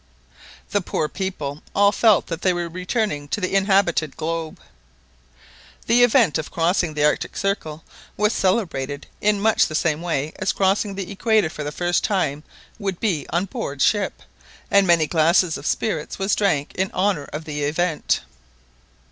The poor people all felt that they were returning to the inhabited globe. The event of crossing the Arctic Circle was celebrated in much the same way as crossing the Equator for the first time would be on board ship, and many a glass of spirits was drank in honour of the event.